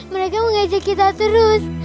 mereka mengajak kita terus